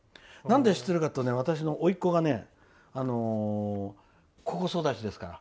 なんで知っているかというと私のおいっ子がここ育ちですから。